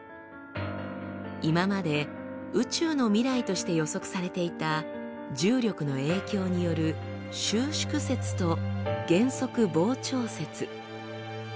今まで宇宙の未来として予測されていた重力の影響による「収縮説」と「減速膨張説」。